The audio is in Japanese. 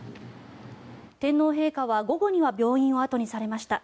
天皇陛下は午後には病院を後にされました。